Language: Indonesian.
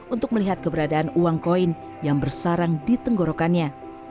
untuk melihat keberadaan uang koin yang bersarang di tenggorokannya